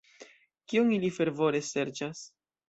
Kion ili fervore serĉas?